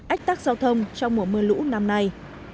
ách tắc giao thông trong mùa mưa lũ năm nay